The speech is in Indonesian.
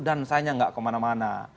dansanya gak kemana mana